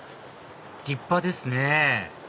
立派ですね